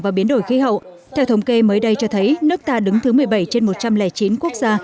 và biến đổi khí hậu theo thống kê mới đây cho thấy nước ta đứng thứ một mươi bảy trên một trăm linh chín quốc gia